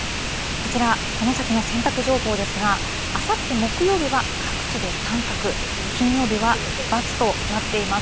こちら、この先の洗濯情報ですが、あさって木曜日は各地で三角、金曜日はばつとなっています。